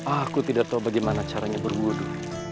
aku tidak tahu bagaimana caranya berwudhu